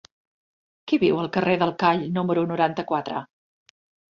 Qui viu al carrer del Call número noranta-quatre?